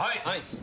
はい。